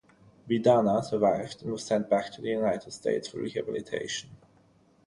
Vidana survived and was sent back to the United States for rehabilitation.